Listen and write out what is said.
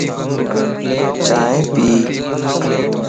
چائين پي